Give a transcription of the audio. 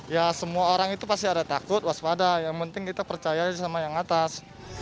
ya semua orang itu pasti ada takut waspada yang penting kita percaya sama yang atas